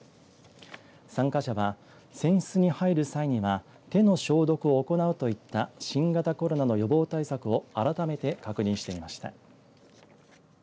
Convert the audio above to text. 参加者は船室に入る際には手の消毒を行うといった新型コロナの予防対策を改めて確認していました。